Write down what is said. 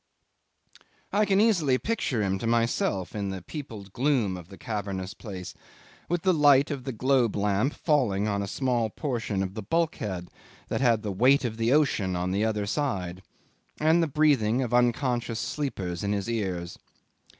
'I can easily picture him to myself in the peopled gloom of the cavernous place, with the light of the globe lamp falling on a small portion of the bulkhead that had the weight of the ocean on the other side, and the breathing of unconscious sleepers in his ears.